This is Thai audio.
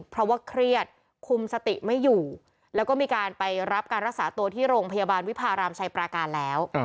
เพราะว่าเครียดคุมสติไม่อยู่แล้วก็มีการไปรับการรักษาตัวที่โรงพยาบาลวิพารามชัยปราการแล้ว